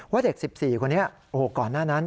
ว่าเด็ก๑๔คนนี้ก่อนหน้านั้น